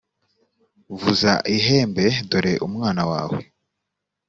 vuza ihembe dore umwana wawe